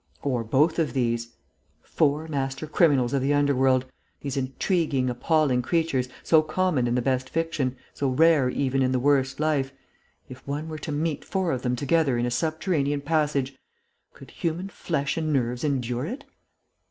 Or both of these. Four master criminals of the underworld these intriguing, appalling creatures, so common in the best fiction, so rare even in the worst life if one were to meet four of them together in a subterranean passage.... Could human flesh and nerves endure it?